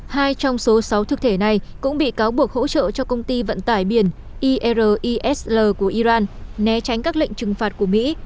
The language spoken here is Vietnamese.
hai trong số sáu thực thể này cũng bị cáo buộc hỗ trợ cho công ty vận tải biển irisl của iran né tránh các lệnh trừng phạt của mỹ